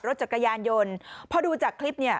กับรถจัดกายันยนต์เพราะดูจากคลิปเนี้ย